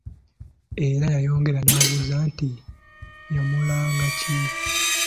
Era yayongera n'abuuza nti yamulanga ki?